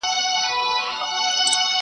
زما په مینه ورور له ورور سره جنګیږي!